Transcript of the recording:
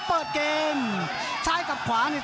ภูตวรรณสิทธิ์บุญมีน้ำเงิน